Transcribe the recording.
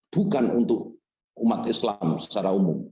bukan untuk umat islam secara umum